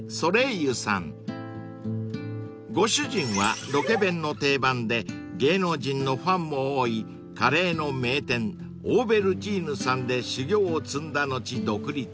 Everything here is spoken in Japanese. ［ご主人はロケ弁の定番で芸能人のファンも多いカレーの名店オーベルジーヌさんで修業を積んだ後独立］